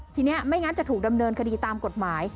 ทีนี้ไม่งั้นจะถูกดำเนินคดีตามกฎหมาย